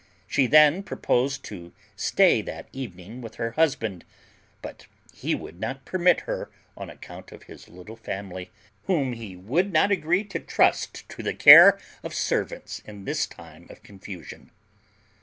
She then proposed to stay that evening with her husband, but he would not permit her on account of his little family, whom he would not agree to trust to the care of servants in this time of confusion.